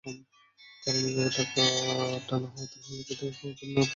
কারণ এভাবে টানা হরতাল হলে কোথাও পণ্য থাকবে, কোথাও থাকবে না।